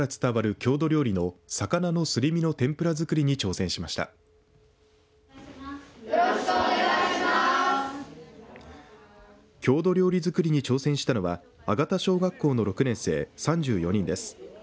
郷土料理づくりに挑戦したのは吾田小学校の６年生３４人です。